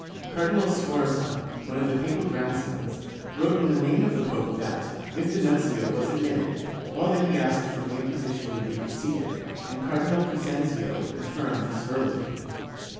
Car dinal Sforza, one of the papal grandsons, wrote in the name of the pope that, if the nuncio was admitted, all that he asked for the Inquisition would be conceded, and Cardinal Crescenzio confirmed this verbally.